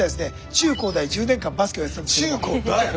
中高大１０年間バスケをやってたんですけども。